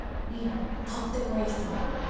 うんとってもいい質問。